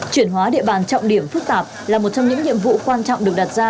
chuyển hóa địa bàn trọng điểm phức tạp là một trong những nhiệm vụ quan trọng được đặt ra